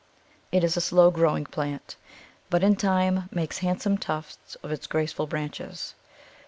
It is a slow growing plant, but in time makes handsome tufts of its graceful branches.